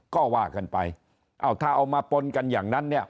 ก็ว่ากันไปเอ้าถ้าเอามาปนกันอย่างนั้นเนี่ย